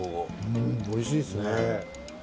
うんおいしいっすね。